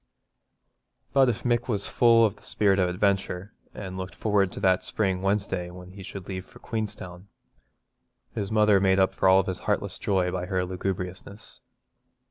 But if Mick was full of the spirit of adventure, and looked forward to that spring Wednesday when he should leave for Queenstown, his mother made up for his heartless joy by her lugubriousness.